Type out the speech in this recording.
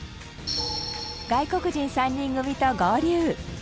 外国人３人組と合流。